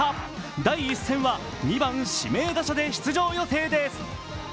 第１戦は２番・指名打者で出場予定です。